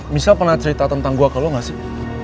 misa pernah cerita tentang gua ke lo gak sih